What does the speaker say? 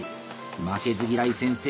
「負けず嫌い先生」